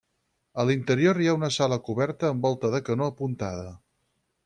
A l'interior hi ha una sala coberta amb volta de canó apuntada.